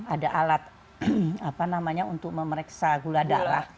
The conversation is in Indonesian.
ada alat apa namanya untuk memeriksa gula darah